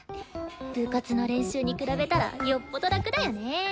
部活の練習に比べたらよっぽど楽だよね。